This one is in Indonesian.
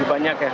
itu banyak ya